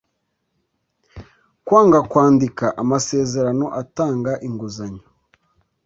kwanga kwandika amasezerano atanga inguzanyo